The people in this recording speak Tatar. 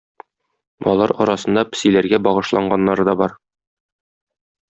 Алар арасында песиләргә багышланганнары да бар.